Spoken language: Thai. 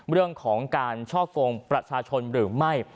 เรื่องของการช่อกงประชาชนหรือไม่